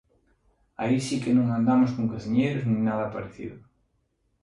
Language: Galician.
Aí si que non andamos de cociñeiros nin nada parecido.